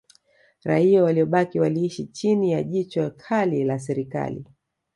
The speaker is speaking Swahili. Raia waliobaki waliishi chini ya jicho kali la Serikali